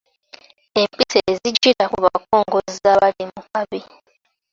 Empisa ezijjira ku bakongozzi abali mu kabi.